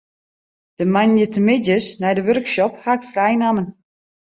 De moandeitemiddeis nei de workshop haw ik frij nommen.